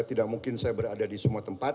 tidak mungkin saya berada di semua tempat